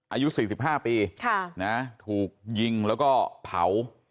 อายุ๔๕ปีถูกยิงแล้วก็เผา